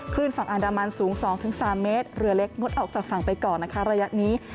ฝั่งอันดามันสูง๒๓เมตรเรือเล็กงดออกจากฝั่งไปก่อนนะคะระยะนี้